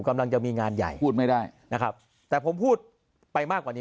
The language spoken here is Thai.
กำลังจะมีงานใหญ่พูดไม่ได้นะครับแต่ผมพูดไปมากกว่านี้